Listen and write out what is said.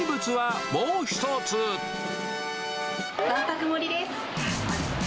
わんぱく盛りです。